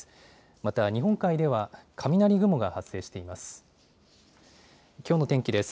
また日本海では雷雲が発生しています。